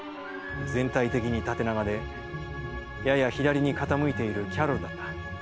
全体的に縦長で、やや左に傾いているキャロルだった。